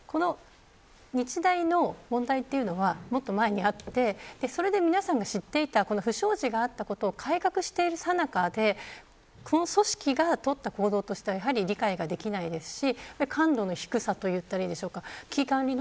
日大の問題というのはもっと前にあって皆さんが知っていた不祥事があったことを改革してる中でこの組織が取った行動としては理解ができないですし感度の低さといったらいいんでしょうか